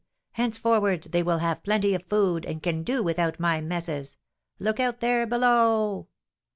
Henceforward they will have plenty of food, and can do without my messes! Look out there below!"